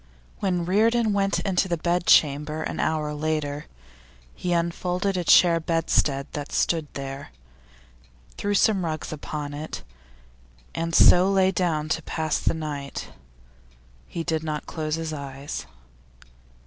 When Reardon went into the bedchamber an hour later, he unfolded a chair bedstead that stood there, threw some rugs upon it, and so lay down to pass the night. He did not close his eyes.